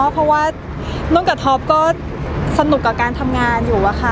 เพราะว่านุ่นกับท็อปก็สนุกกับการทำงานอยู่อะค่ะ